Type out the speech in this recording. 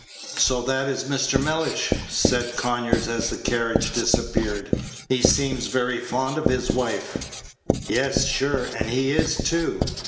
"So that is Mr. Mellish," said Conyers, as the carriage disappeared. "He seems very fond of his wife." "Yes, sure; and he is, too.